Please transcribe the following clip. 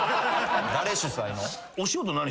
誰主催の？